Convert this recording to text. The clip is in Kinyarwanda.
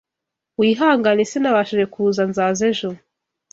wihangane sinabashije kuza nzaza ejo